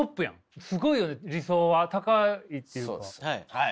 はい。